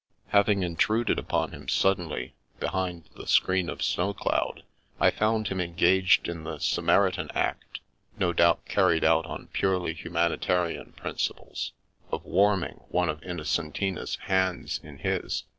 Having intruded upon him suddenly, behind the screen of snow cloud, I found him engaged in the Samaritan act — ^no doubt carried out on purely hu manitarian principles — of warming one of Innocen tina's hands in his.